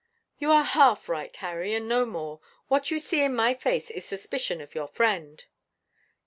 "You are half right, Harry, and no more. What you see in my face is suspicion of your friend."